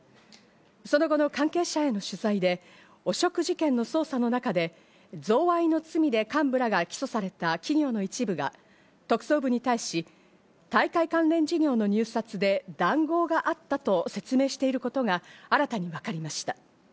その後の関係者への取材で汚職事件の捜査の中で、贈賄の罪で幹部らが起訴された企業の一部が、特捜部に対し、大会関連事業の入札で談合があったと説明していることが新たに分かりました。